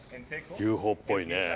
ＵＦＯっぽいね。